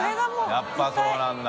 やっぱそうなんだ。